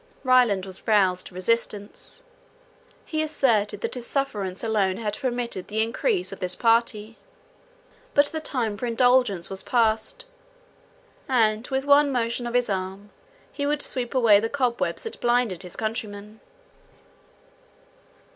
Ryland was roused to resistance; he asserted that his sufferance alone had permitted the encrease of this party; but the time for indulgence was passed, and with one motion of his arm he would sweep away the cobwebs that blinded his countrymen.